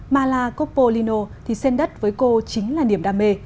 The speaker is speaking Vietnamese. mala copolino thì sen đất với cô chính là niềm đam mê